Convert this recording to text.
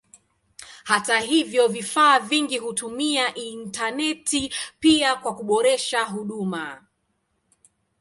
Hata hivyo vifaa vingi hutumia intaneti pia kwa kuboresha huduma.